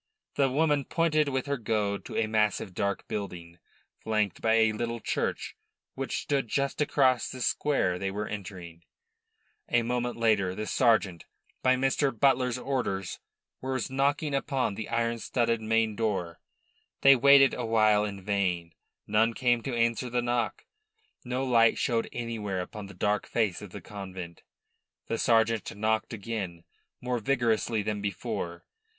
The woman pointed with her goad to a massive, dark building, flanked by a little church, which stood just across the square they were entering. A moment later the sergeant, by Mr. Butler's orders, was knocking upon the iron studded main door. They waited awhile in vain. None came to answer the knock; no light showed anywhere upon the dark face of the convent. The sergeant knocked again, more vigorously than before.